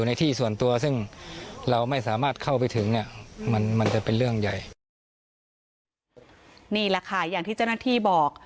นี่แหละค่ะอย่างที่เจ้าหน้าที่บอก